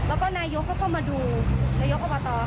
นายกก็มาต่อค่ะเขาก็มาดูแลแล้วก็มาที่โรงพยาบาลแหลมงอบ